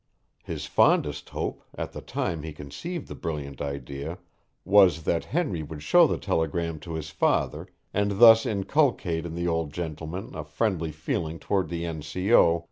His fondest hope, at the time he conceived the brilliant idea, was that Henry would show the telegram to his father and thus inculcate in the old gentleman a friendly feeling toward the N. C. O.